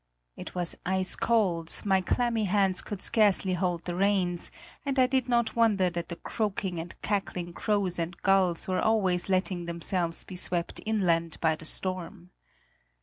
It was ice cold; my clammy hands could scarcely hold the reins, and I did not wonder that the croaking and cackling crows and gulls were always letting themselves be swept inland by the storm.